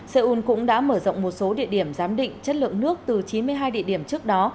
seoul cũng đã mở rộng một số địa điểm giám định chất lượng nước từ chín mươi hai địa điểm trước đó